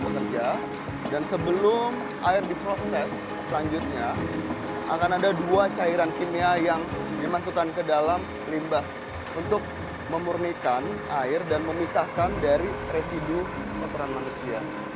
bekerja dan sebelum air diproses selanjutnya akan ada dua cairan kimia yang dimasukkan ke dalam limbah untuk memurnikan air dan memisahkan dari residu kotoran manusia